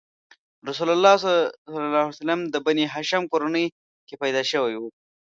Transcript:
رسول الله د بنیهاشم کورنۍ کې پیدا شوی و.